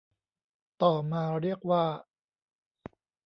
ต่อมาเรียกว่า